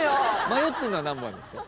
迷ってんのは何番ですか？